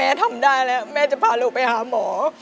ทำได้แล้วแม่จะพาลูกไปหาหมอ